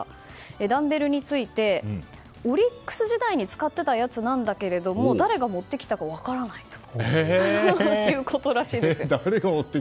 ダンベルについてオリックス時代に使っていたやつなんだけれども誰が持ってきたか分からないということらしいです。